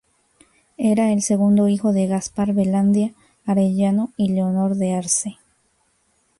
Era el segundo hijo de Gaspar Velandia Arellano y Leonor de Arce.